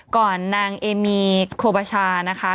ก่อนนางเอมีโคบาชา